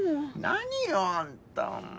何よあんた！